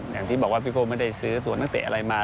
อย่างที่บอกว่าพี่โก้ไม่ได้ซื้อตัวนักเตะอะไรมา